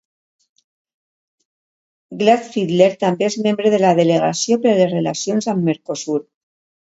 Glattfelder també és membre de la delegació per a les relacions amb Mercosur.